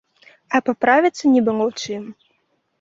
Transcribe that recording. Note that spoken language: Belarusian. А паправіцца не было чым.